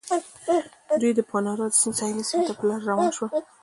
دوی د پانارا سیند ساحلي سیمو ته په لاره روان شول.